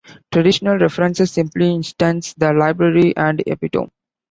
Traditional references simply instance "the "Library and Epitome".